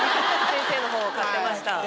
先生の本買ってました。